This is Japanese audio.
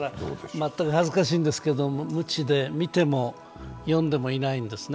全く恥ずかしいんですけど、無知で見ても読んでもいないんですね。